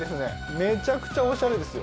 めちゃくちゃオシャレですよ